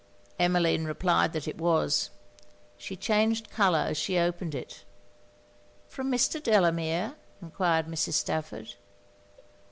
Emmeline replied that it was. She changed colour as she opened it. 'From Mr. Delamere?' enquired Mrs. Stafford.